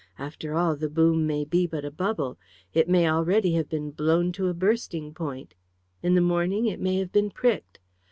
After all, the boom may be but a bubble; it may already have been blown to a bursting point; in the morning it may have been pricked.